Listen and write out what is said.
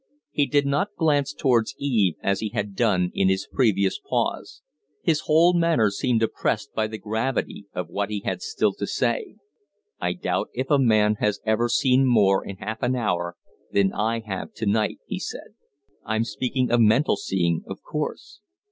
He did not glance towards Eve as he had done in his previous pause. His whole manner seemed oppressed by the gravity of what he had still to say. "I doubt if a man has ever seen more in half an hour than I have to night," he said. "I'm speaking of mental seeing, of course.